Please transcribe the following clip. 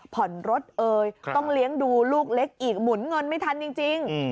ผ่อนรถเอ่ยต้องเลี้ยงดูลูกเล็กอีกหมุนเงินไม่ทันจริง